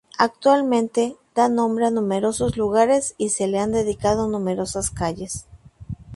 Actualmente da nombre a numerosos lugares, y se le han dedicado numerosas calles.